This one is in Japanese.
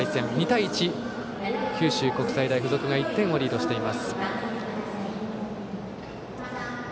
２対１、九州国際大付属が１点をリードしています。